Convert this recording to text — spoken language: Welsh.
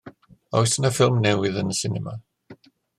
Oes yna ffilm newydd yn y sinema?